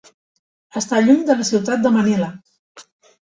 Està lluny de la ciutat de Manila.